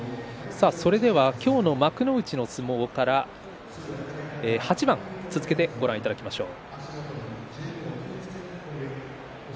今日の幕内の相撲から８番続けてご覧いただきましょう。